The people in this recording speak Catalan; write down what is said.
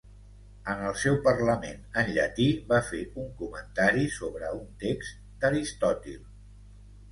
En el seu parlament en llatí va fer un comentari sobre un text d'Aristòtil.